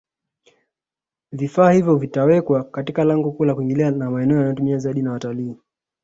Vifaa hivyo vitawekwa Katika lango kuu la kuingilia na maeneo yanayotumiwa zaidi na watalii